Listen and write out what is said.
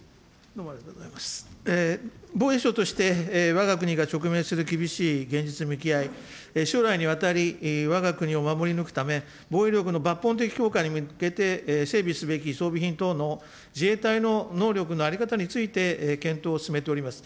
防衛省として、わが国が直面する厳しい現実に向き合い、将来にわたり、わが国を守り抜くため、防衛力の抜本的強化に向けて、整備すべき装備品等の自衛隊の能力の在り方について検討を進めております。